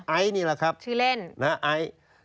ไอนี่แหละครับนะไอชื่อเล่น